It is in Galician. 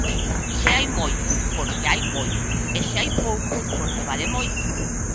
Se hai moito, porque hai moito, e se hai pouco, porque vale moito.